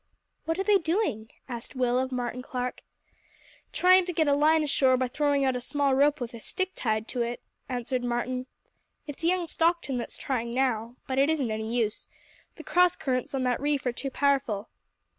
"What are they doing?" asked Will of Martin Clark. "Trying to get a line ashore by throwing out a small rope with a stick tied to it," answered Martin. "It's young Stockton that's trying now. But it isn't any use. The cross currents on that reef are too powerful."